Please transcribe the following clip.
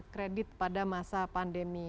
kredit pada masa pandemi